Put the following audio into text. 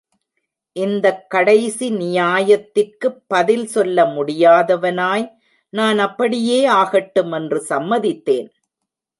இந்தக் கடைசி நியாயத்திற்குப் பதில் சொல்ல முடியாதவனாய், நான் அப்படியே ஆகட்டும் என்று சம்மதித்தேன்.